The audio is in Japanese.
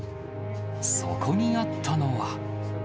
そこにあったのは。